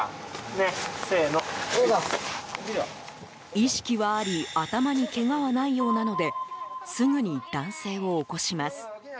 意識はあり頭にけがはないようなのですぐに男性を起こします。